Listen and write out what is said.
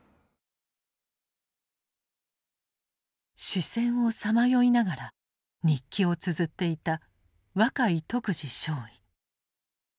死線をさまよいながら日記をつづっていた若井徳次少尉。